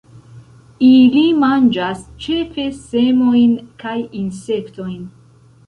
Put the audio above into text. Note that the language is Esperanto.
Ili manĝas ĉefe semojn kaj insektojn.